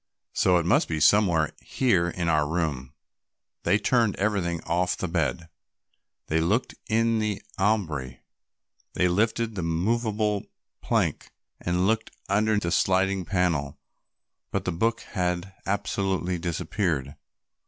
So it must be somewhere here in our room." They turned everything off the bed, they looked in the ambry, they lifted the movable plank and looked under the sliding panel, but the book had absolutely disappeared.